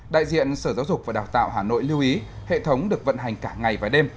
đại diện sở giáo dục và đào tạo hà nội lưu ý hệ thống được vận hành cả ngày và đêm